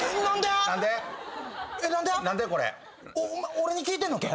俺に聞いてんのけ？